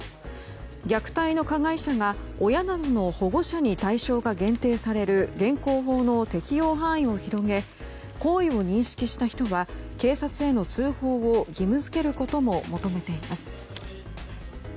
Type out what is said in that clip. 虐待の加害者が親などの保護者に対象が限定される現行法の適用範囲を広げ行為を認識した人は警察への通報を義務付けることも求めています。